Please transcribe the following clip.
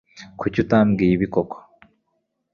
Kuki utambwiye ibi koko?